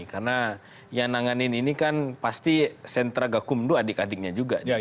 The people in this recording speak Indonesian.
karena yang nanganin ini kan pasti sentra gakumdu adik adiknya juga